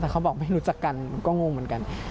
แต่เขาบอกไม่รู้จักกันก็งงเหมือนกัน